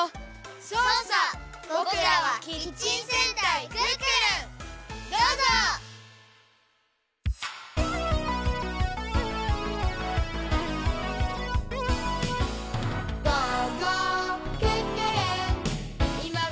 「そうさボクらはキッチン戦隊クックルン」どうぞ！「」「」イエイ！やぁ！